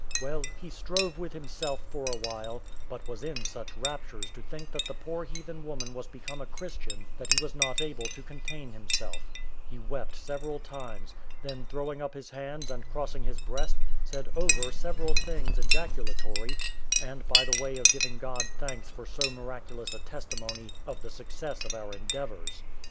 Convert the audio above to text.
Well, he strove with himself for a while, but was in such raptures to think that the poor heathen woman was become a Christian, that he was not able to contain himself; he wept several times, then throwing up his hands and crossing his breast, said over several things ejaculatory, and by the way of giving God thanks for so miraculous a testimony of the success of our endeavours.